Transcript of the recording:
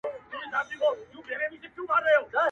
که مي دوی نه وای وژلي دوی وژلم،